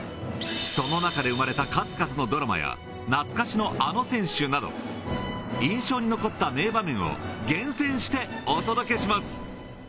その中で生まれた数々のドラマや、懐かしのあの選手など、印象に残った名場面を厳選してお届けします。